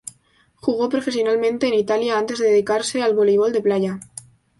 Jugó profesionalmente en Italia antes de dedicarse al voleibol de playa.